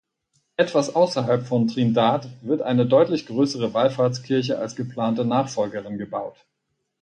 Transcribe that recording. Etwas außerhalb von Trindade wird eine deutlich größere Wallfahrtskirche als geplante Nachfolgerin gebaut.